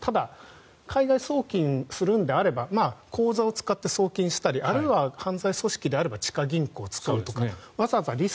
ただ、海外送金するのであれば口座を使って送金したりあるいは犯罪組織であれば地下銀行を通じて送金したり。